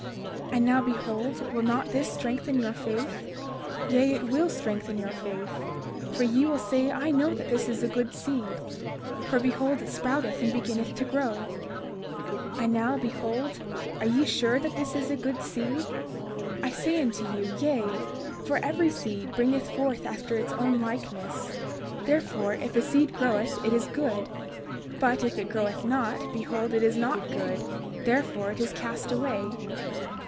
And now behold, will not this strengthen your faith? Yea, it will strengthen your faith: for ye will say I know that this is a good seed; for behold it sprouteth and beginneth to grow. 32:31 And now, behold, are ye sure that this is a good seed? I say unto you, Yea; for every seed bringeth forth unto its own likeness. 32:32 Therefore, if a seed groweth it is good, but if it groweth not, behold it is not good, therefore it is cast away.